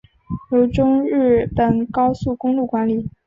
由中日本高速公路管理。